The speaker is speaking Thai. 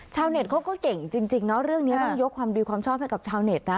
เน็ตเขาก็เก่งจริงเนาะเรื่องนี้ต้องยกความดีความชอบให้กับชาวเน็ตนะ